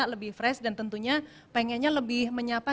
lebih fresh dan tentunya pengennya lebih menyapa